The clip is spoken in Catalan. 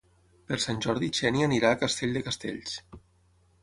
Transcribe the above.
Per Sant Jordi na Xènia irà a Castell de Castells.